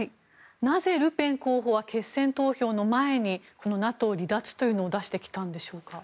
なぜルペン候補は決選投票の前にＮＡＴＯ離脱というのを出してきたんでしょうか。